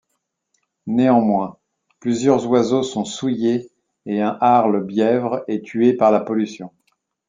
Néanmoins, plusieurs oiseaux sont souillés et un harle bièvre est tué par la pollution.